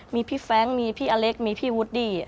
มีพี่แฟรงค์มีพี่อเล็กมีพี่วูดดี้